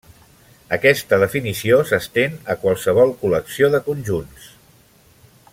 Aquesta definició s'estén a qualsevol col·lecció de conjunts.